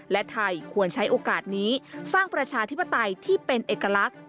และไทยควรใช้โอกาสนี้สร้างประชาธิปไตยที่เป็นเอกลักษณ์